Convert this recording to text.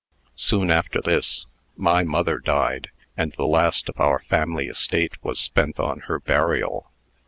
"Soon after this, my mother died, and the last of our family estate was spent on her burial."